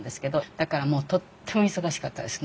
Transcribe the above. だからもうとっても忙しかったですね。